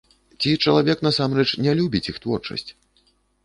Ці чалавек насамрэч не любіць іх творчасць!